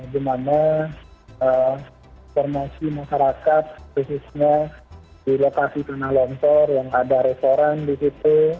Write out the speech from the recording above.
di mana informasi masyarakat khususnya di lokasi tanah longsor yang ada restoran di situ